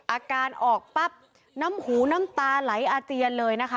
อาการออกปั๊บน้ำหูน้ำตาไหลอาเจียนเลยนะคะ